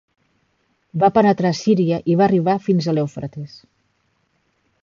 Va penetrar a Síria i va arribar fins a l'Eufrates.